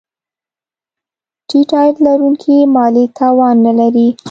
ټیټ عاید لرونکي مالي توان نه لري.